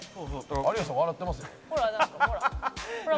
有吉さん笑ってますもん。